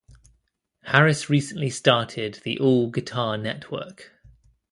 Harris recently started the All Guitar Network.